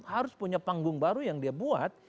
harus punya panggung baru yang dia buat